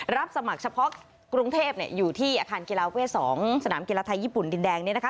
รับสมัครเฉพาะกรุงเทพอยู่ที่อาคารกีฬาเวท๒สนามกีฬาไทยญี่ปุ่นดินแดงเนี่ยนะคะ